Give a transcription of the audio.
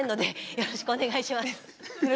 よろしくお願いします。